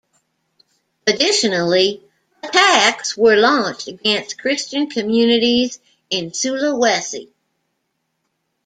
Additionally, attacks were launched against Christian communities in Sulawesi.